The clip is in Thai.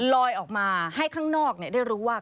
ลอยออกมาให้ข้างนอกได้รู้ว่า